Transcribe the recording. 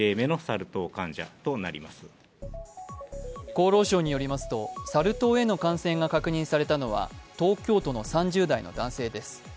厚労省によりますと、サル痘への感染が確認されたのは東京都の３０代の男性です。